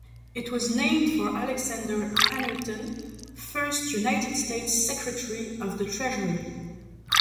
It was named for Alexander Hamilton, first United States Secretary of the Treasury.